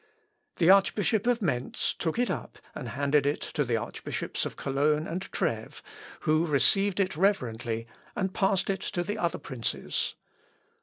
The archbishop of Mentz took it up and handed it to the archbishops of Cologne and Treves, who received it reverently, and passed it to the other princes.